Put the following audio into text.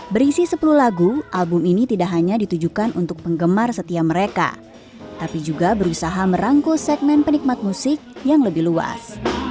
berisi sepuluh lagu album ini tidak hanya ditujukan untuk penggemar setia mereka tapi juga berusaha merangkul segmen penikmat musik yang lebih luas